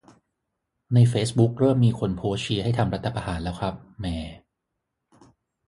ในเฟซบุ๊กเริ่มมีคนโพสต์เชียร์ให้ทำรัฐประหารแล้วครับ แหม่